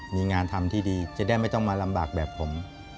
มีงานทำที่ดีจะได้ไม่ต้องมาลำบากแบบผม